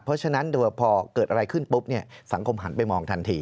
เพราะฉะนั้นพอเกิดอะไรขึ้นปุ๊บสังคมหันไปมองทันที